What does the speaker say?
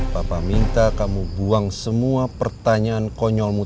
papa minta kamu buang semua pertanyaan konyolmu